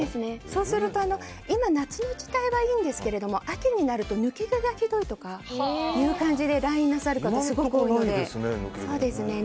そうすると夏はいいんですけど秋になると抜け毛がひどいとかいう感じで来院なさる方がすごく多いので。